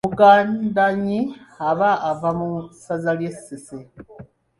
Omugandannyi aba ava mu ssaza ery'e Ssese.